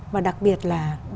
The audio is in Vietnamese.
và đặc biệt là